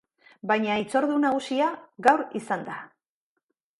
Baina hitzordu nagusia gaur izan da.